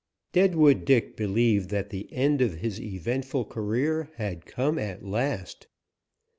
Deadwood Dick believed that the end of his eventful career had come at last.